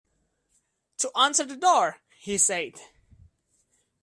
‘To answer the door?’ he said.